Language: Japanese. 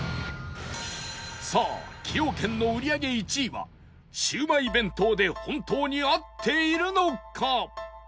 さあ崎陽軒の売り上げ１位はシウマイ弁当で本当に合っているのか？